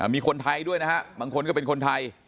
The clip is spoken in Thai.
มีคนไทยด้วยนะฮะบางคนก็เป็นคนไทย